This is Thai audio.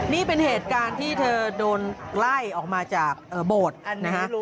นี่เป็นเหตุการณ์ที่เธอโดนไล่ออกมาจากโบสถ์นะฮะ